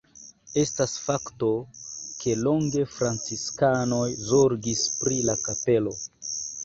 Estas fakto, ke longe franciskanoj zorgis pri la kapelo.